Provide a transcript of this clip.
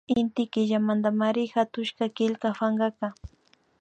Inti Killamantamari hatushka killka pankaka